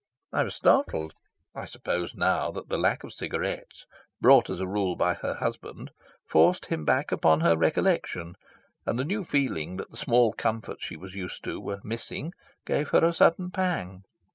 I was startled. I suppose now that the lack of cigarettes, brought as a rule by her husband, forced him back upon her recollection, and the new feeling that the small comforts she was used to were missing gave her a sudden pang.